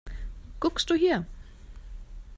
Guckst du hier!